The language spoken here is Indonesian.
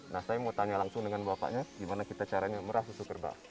nah saya mau tanya langsung dengan bapaknya gimana kita caranya merah susu kerbau